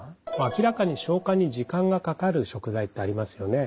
明らかに消化に時間がかかる食材ってありますよね。